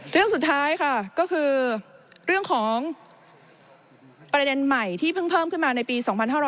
เรื่องสุดท้ายค่ะก็คือเรื่องของประเด็นใหม่ที่เพิ่งเพิ่มขึ้นมาในปี๒๕๖๐